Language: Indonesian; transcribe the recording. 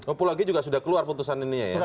oh pulau g juga sudah keluar putusan ini ya